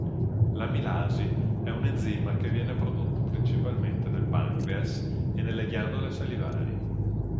L'amilasi è un enzima che viene prodotto principalmente nel pancreas e nelle ghiandole salivari.